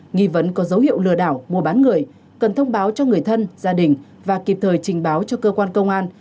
nghi vấn có dấu hiệu lừa đảo mua bán người cần thông báo cho người thân gia đình và kịp thời trình báo cho cơ quan công an